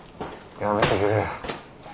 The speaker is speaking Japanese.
やめてくれ。